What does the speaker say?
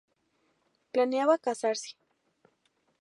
Planeaba casarse.